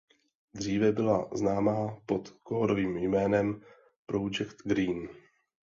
Dříve byla známá pod kódovým jménem Project Green.